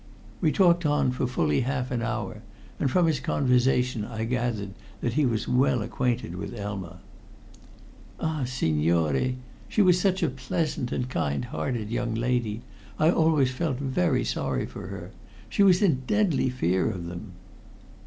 We talked on for fully half an hour, and from his conversation I gathered that he was well acquainted with Elma. "Ah, signore, she was such a pleasant and kind hearted young lady. I always felt very sorry for her. She was in deadly fear of them."